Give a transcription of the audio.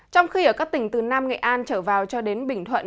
trong khi ở các tỉnh từ nam nghệ an trở vào cho đến bình thuận